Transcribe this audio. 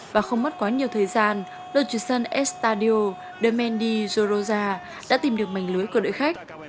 và không mất quá nhiều thời gian lột truyền sân estadio de mendi zoroza đã tìm được mảnh lưới của đội khách